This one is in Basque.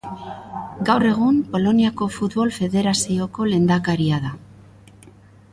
Gaur egun Poloniako Futbol Federazioko lehendakaria da.